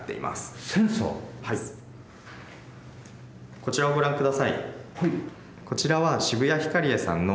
こちらをご覧ください。